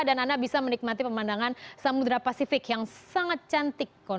dan anda bisa menikmati pemandangan samudera pasifik yang sangat cantik